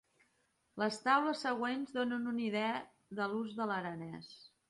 Les taules següents donen una idea de l'ús de l'aranès.